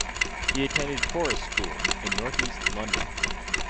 He attended Forest School in northeast London.